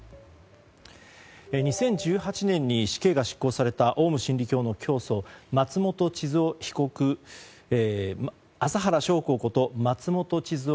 ２０１８年に死刑が執行されたオウム真理教の教祖麻原彰晃こと松本智津夫